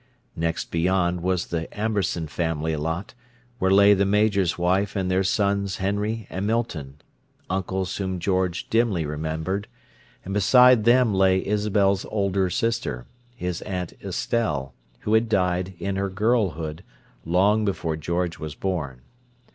Next beyond was the Amberson family lot, where lay the Major's wife and their sons Henry and Milton, uncles whom George dimly remembered; and beside them lay Isabel's older sister, his Aunt Estelle, who had died, in her girlhood, long before George was born.